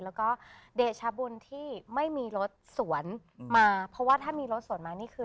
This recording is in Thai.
แล้วก็เดชบุญที่ไม่มีรถสวนมาเพราะว่าถ้ามีรถสวนมานี่คือ